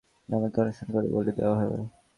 আমাকে অনুষ্ঠান করে বলি দেয়া হবে?